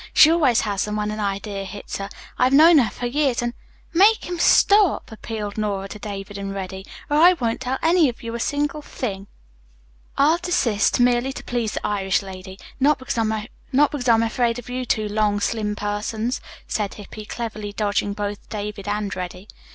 She always has them when an idea hits her. I've known her for years and " "Make him stop," appealed Nora to David and Reddy, "or I won't tell any of you a single thing." "I'll desist, merely to please the Irish lady, not because I'm afraid of you two long, slim persons," said Hippy, cleverly dodging both David and Reddy.